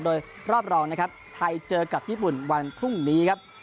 โดยรอบรองนะครับไทยเจอกับญี่ปุ่นวันพรุ่งนี้ครับ